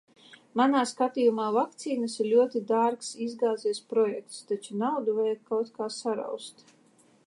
Manā skatījumā vakcīnas ir ļoti dārgs izgāzies projekts, taču naudu vajag kaut kā saraust...